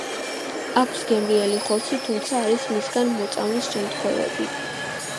აქვს გემრიელი ხორცი, თუმცა არის მისგან მოწამვლის შემთხვევები.